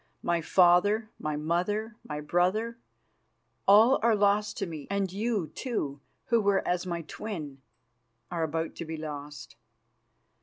My father, my mother, my brother all are lost to me, and you, too, who were as my twin, are about to be lost.